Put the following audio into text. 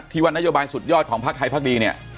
วันนโยบายสุดยอดของพักไทยพักดีเนี่ย